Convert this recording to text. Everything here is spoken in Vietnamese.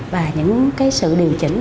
và những cái sự điều chỉnh